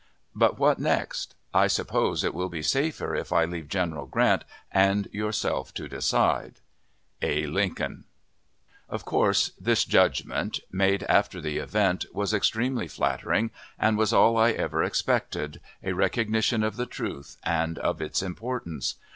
But what next? I suppose it will be safer if I leave General Grant and yourself to decide. A. LINCOLN Of course, this judgment; made after the event, was extremely flattering and was all I ever expected, a recognition of the truth and of its importance.